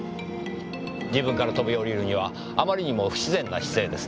自分から飛び降りるにはあまりにも不自然な姿勢ですね。